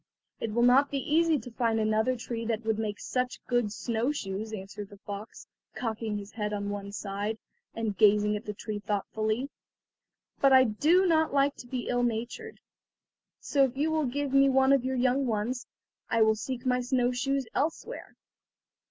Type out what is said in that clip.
"It will not be easy to find another tree that would make such good snow shoes," answered the fox, cocking his head on one side, and gazing at the tree thoughtfully; "but I do not like to be ill natured, so if you will give me one of your young ones I will seek my snow shoes elsewhere."